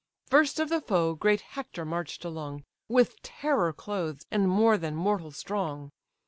First of the foe, great Hector march'd along, With terror clothed, and more than mortal strong.